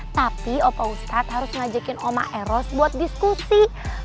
tapi opa ustad harus ngajakin woma eros buat diskusi